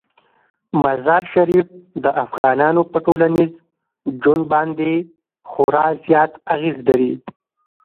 مزارشریف د افغانانو په ټولنیز ژوند باندې خورا زیات اغېز لري.